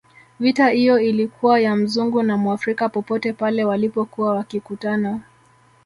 Vita iyo ilikuwa ya Mzungu na Mwafrika popote pale walipokuwa wakikutana